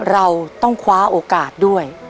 เราต้องคว้าโอกาสด้วย